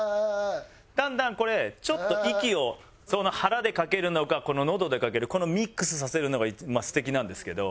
だんだんこれちょっと息を腹でかけるのか喉でかけるミックスさせるのが素敵なんですけど。